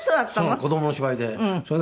子供の芝居で。